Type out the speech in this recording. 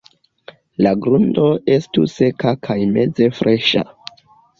La grundo estu seka kaj meze freŝa.